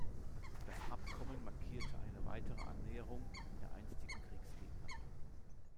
Das Abkommen markierte eine weitere Annäherung der einstigen Kriegsgegner.